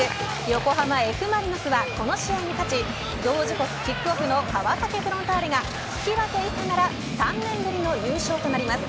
横浜Ｆ・マリノスはこの試合に勝ち同時刻キックオフの川崎フロンターレが引き分け以下なら３年ぶりの優勝となります。